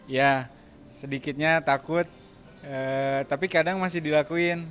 ya sedikitnya takut tapi kadang masih dilakuin